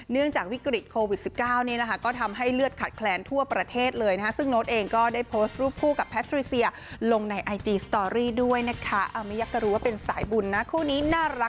เนื่องจากวิกฤตโควิด๑๙เนี่ยนะคะ